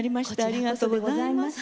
ありがとうございます。